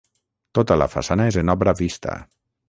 Tota la façana és en obra vista.